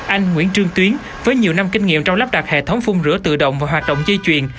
anh nguyễn trương tuyến với nhiều năm kinh nghiệm trong lắp đặt hệ thống phun rửa tự động và hoạt động dây chuyền